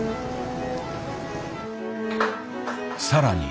さらに。